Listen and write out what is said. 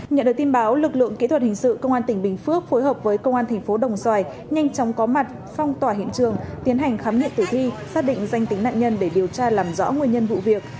nhận được tin báo lực lượng kỹ thuật hình sự công an tỉnh bình phước phối hợp với công an thành phố đồng xoài nhanh chóng có mặt phong tỏa hiện trường tiến hành khám nghiệm tử thi xác định danh tính nạn nhân để điều tra làm rõ nguyên nhân vụ việc